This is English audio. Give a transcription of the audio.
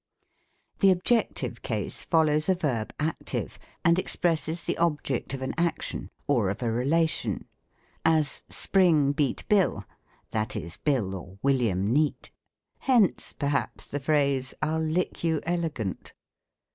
The Objective Case follows a verb active, and ex presses the object of an action, or of a relation : as "Spring beat Bill ;" that is, Bill or "William JVeaie." Hence, perhaps, the phrase, "I'll lick you elegant.'